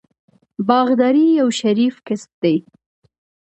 باغداري یو شریف کسب دی.